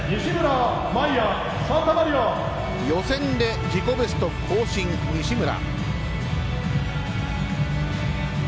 予選で自己ベスト更新、西村。